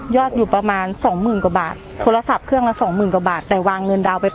อยู่ประมาณสองหมื่นกว่าบาทโทรศัพท์เครื่องละสองหมื่นกว่าบาทแต่วางเงินดาวน์ไป